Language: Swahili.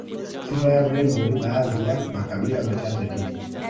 Sifa ya urembo ni baadhi ya makabila machache tu